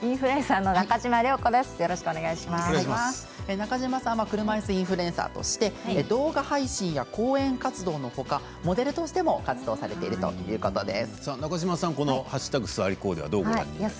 中嶋さんは車いすインフルエンサーとして動画配信や講演活動などのほかモデルとしても活動されているということです。